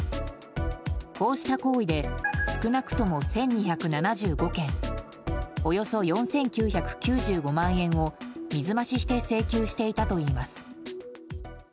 こうした行為で少なくとも１２７５件およそ４９９５万を水増しして請求していたといいます。